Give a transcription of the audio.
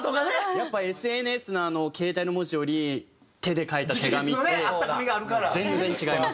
やっぱＳＮＳの携帯の文字より手で書いた手紙って全然違います。